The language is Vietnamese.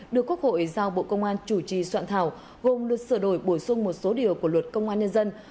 được quốc hội giao bộ công an chủ trì soạn thảo gồm luật sửa đổi bổ sung một số điều của luật công an nhân dân